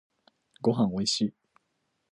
ごはんおいしい